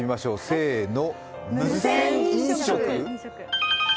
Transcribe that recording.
せーの、無銭飲食。